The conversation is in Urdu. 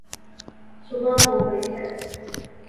صبح ہو گئی